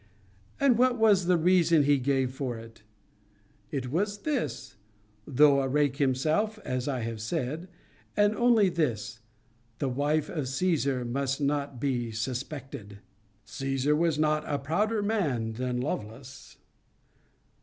And what was the reason he gave for it? It was this, (though a rake himself, as I have said,) and only this The wife of Caesar must not be suspected! Caesar was not a prouder man than Lovelace.